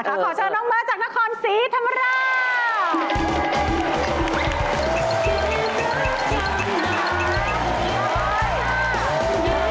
ขอเชิญน้องเบิร์ตจากนครศรีธรรมราช